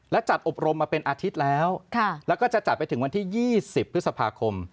และจัดอบรมมาเป็นอาทิตย์แล้วแล้วก็จะจัดไปถึงวันที่๒๐พฤษภาคม